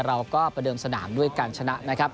ประเดิมสนามด้วยการชนะนะครับ